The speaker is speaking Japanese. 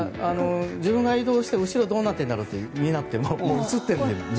自分が移動して後ろどうなってりうんだろうと周らなくても映ってるので見やすい。